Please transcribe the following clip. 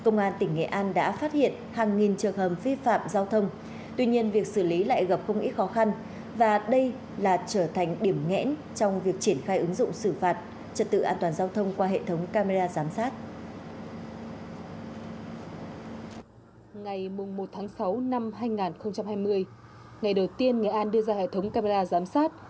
ngày một tháng sáu năm hai nghìn hai mươi ngày đầu tiên nghệ an đưa ra hệ thống camera giám sát